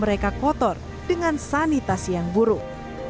mereka kotor dengan sanitasi yang buruk